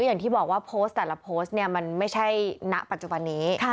อย่างที่บอกว่าโพสต์แต่ละโพสต์เนี่ยมันไม่ใช่ณปัจจุบันนี้